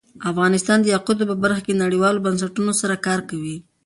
افغانستان د یاقوت په برخه کې نړیوالو بنسټونو سره کار کوي.